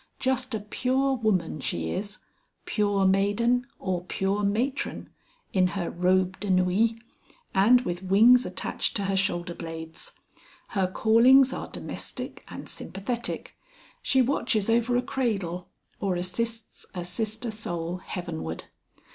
Just a pure woman she is, pure maiden or pure matron, in her robe de nuit, and with wings attached to her shoulder blades. Her callings are domestic and sympathetic, she watches over a cradle or assists a sister soul heavenward.